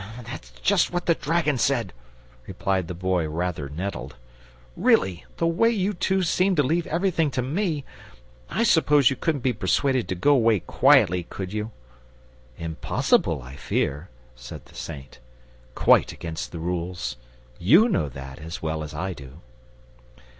"That's just what the dragon said," replied the Boy, rather nettled. "Really, the way you two seem to leave everything to me I suppose you couldn't be persuaded to go away quietly, could you?" "Impossible, I fear," said the Saint. "Quite against the rules. YOU know that as well as I do."